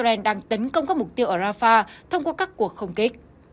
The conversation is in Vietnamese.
israel đang tấn công các mục tiêu ở rafah thông qua các cuộc không kích